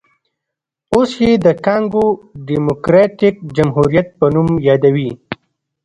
اوس یې د کانګو ډیموکراټیک جمهوریت په نوم یادوي.